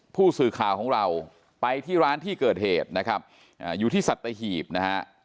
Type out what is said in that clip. ผู้สื่อข่าวของเราไปที่ร้านที่เกิดเหตุนะครับอยู่ที่สัตหีบนะฮะ